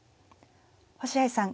星合さん